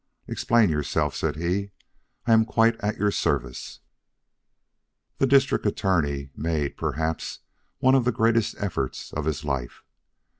"Explain yourself," said he. "I am quite at your service." The District Attorney made, perhaps, one of the greatest efforts of his life.